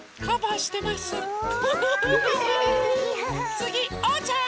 つぎおうちゃん！